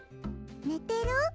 ねてる？